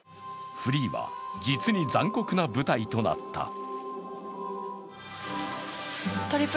フリーは実に残酷な舞台となった。